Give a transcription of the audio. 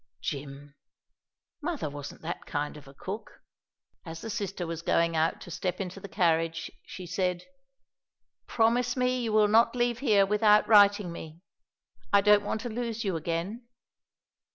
"Jim, Mother wasn't that kind of a cook." As the sister was going out to step into the carriage she said, "Promise me you will not leave here without writing me. I don't want to lose you again."